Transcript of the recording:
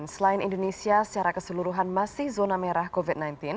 selain indonesia secara keseluruhan masih zona merah covid sembilan belas